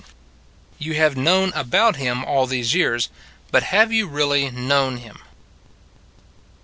YOU HAVE KNOWN ABOUT HIM ALL THESE YEARS: BUT HAVE YOU REALLY KNOWN HIM?